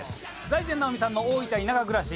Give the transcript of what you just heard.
財前直見さんの大分田舎暮らし